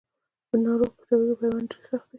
د ناروغ پښتورګي پیوند ډېر سخت دی.